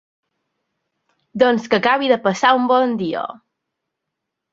Doncs que acabi de passar un bon dia.